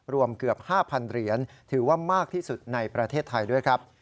รวมเกือบ๕๐๐เหรียญถือว่ามากที่สุดในประเทศไทยด้วยครับ